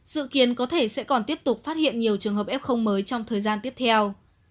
dự kiến có thể sẽ còn tiếp tục phát hiện nhiều trường hợp f mới trong thời gian tiếp theo